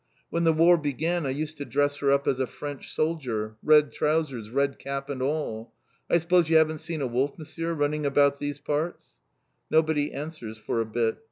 When the War began I used to dress her up as a French solider, red trousers, red cap and all! I s'pose you haven't seen a wolf, M'sieur, running about these parts?" Nobody answers for a bit.